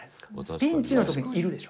ピンチの時にいるでしょ。